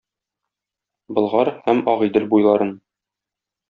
Болгар һәм Агыйдел буйларын.